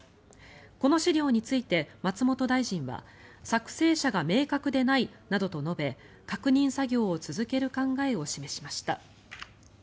この資料について松本大臣は作成者が明確でないなどと述べ確認作業を続ける考えを示しました。